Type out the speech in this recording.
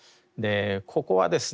ここはですね